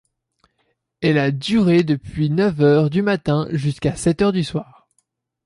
Elle a duré depuis neuf heures du matin jusqu'à sept heures du soir.